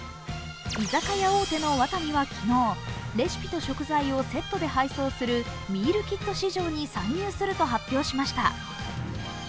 居酒屋大手のワタミは昨日、レシピと食材をセットで配送するミールキット市場に参入すると発表しました。